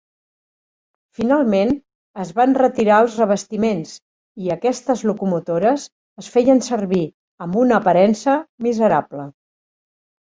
Finalment, es van retirar els revestiments i aquestes locomotores es feien servir amb una aparença miserable.